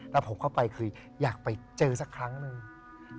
แล้วผมเข้าไปคืออยากไปเจอสักครั้งหนึ่ง